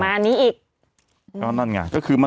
แต่หนูจะเอากับน้องเขามาแต่ว่า